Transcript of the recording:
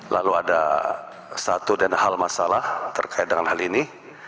lalu ada satu dan hal masalah terkait dengan hal ini